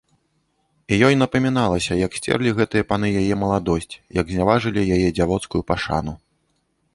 І ёй напаміналася, як сцерлі гэтыя паны яе маладосць, як зняважылі яе дзявоцкую пашану.